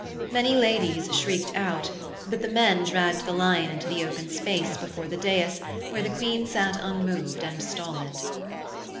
Many ladies shrieked out, but the men dragged the lion into the open space before the dais where the Queen sat unmoved and stolid.